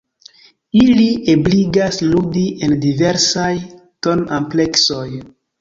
Ili ebligas ludi en diversaj ton-ampleksoj.